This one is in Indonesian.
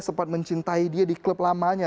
sempat mencintai dia di klub lamanya